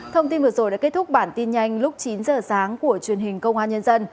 thông tin vừa rồi đã kết thúc bản tin nhanh lúc chín giờ sáng của truyền hình công an nhân dân